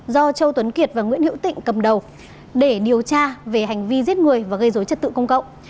do châu tuấn kiệt và nguyễn hữu tịnh cầm đầu để điều tra về hành vi giết người và gây dối trật tự công cộng